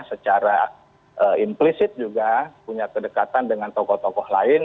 secara implisit juga punya kedekatan dengan tokoh tokoh lain